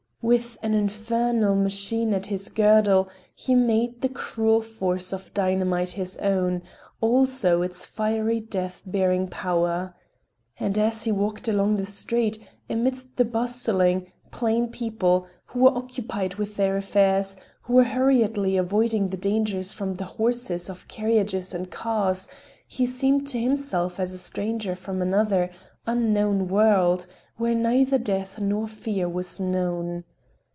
With an infernal machine at his girdle, he made the cruel force of dynamite his own, also its fiery death bearing power. And as he walked along the street, amidst the bustling, plain people, who were occupied with their affairs, who were hurriedly avoiding the dangers from the horses of carriages and cars, he seemed to himself as a stranger from another, unknown world, where neither death nor fear was known.